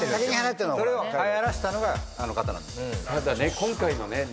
それをはやらしたのがあの方なんですよ。